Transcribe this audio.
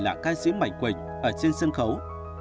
là ca sĩ mạnh quỳnh ở trên sân khấu